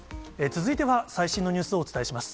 続いては最新のニュースをお伝えします。